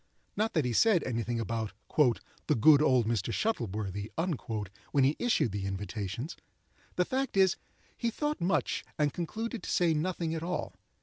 Not that he said any thing about "the good old Mr. Shuttleworthy" when he issued the invitations. The fact is, he thought much and concluded to say nothing at all.